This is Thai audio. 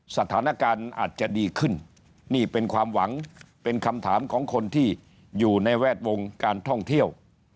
สถานการณ์อาจจะดีขึ้นนี่เป็นความหวังเป็นคำถามของคนที่อยู่ในแวดวงการท่องเที่ยว